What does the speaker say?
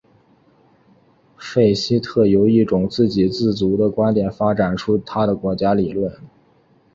费希特由一种自给自足的观点发展出他的国家理论。